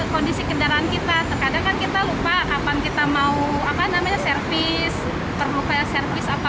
kondisi kendaraan kita terkadang kan kita lupa kapan kita mau apa namanya servis perlu kayak servis apa